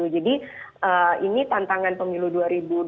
jadi ini tantangan pemilu dua ribu dua puluh empat